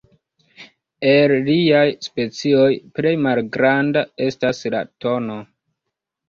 El liaj specioj plej malgranda estas la tn.